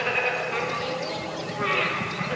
単純につまらなかったの。